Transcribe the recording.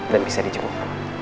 dan bisa dicemuk